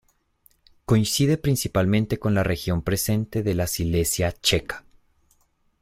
Coincide principalmente con la región presente de la Silesia checa.